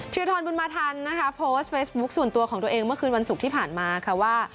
ทรบุญมาทันนะคะโพสต์เฟซบุ๊คส่วนตัวของตัวเองเมื่อคืนวันศุกร์ที่ผ่านมาค่ะว่า